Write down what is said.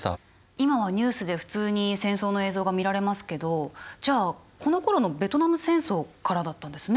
今はニュースで普通に戦争の映像が見られますけどじゃあこのころのベトナム戦争からだったんですね。